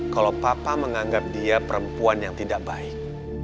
kalau papa menganggap dia perempuan yang tidak baik